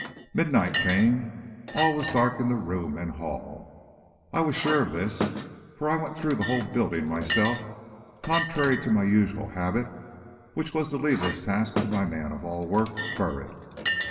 Midnight came; all was dark in room and hall. I was sure of this, for I went through the whole building myself, contrary to my usual habit, which was to leave this task to my man of all work, Burritt.